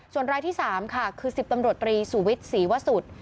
ส่วนรายที่๓ค่ะคือ๑๐ตำรวจตรีสุวิทย์ศรีวสุด